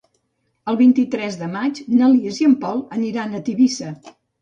El vint-i-tres de maig na Lis i en Pol aniran a Tivissa.